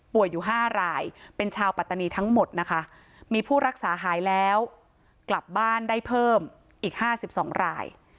อยู่๕รายเป็นชาวปัตตานีทั้งหมดนะคะมีผู้รักษาหายแล้วกลับบ้านได้เพิ่มอีก๕๒ราย